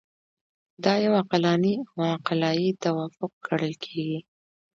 دا یو عقلاني او عقلایي توافق ګڼل کیږي.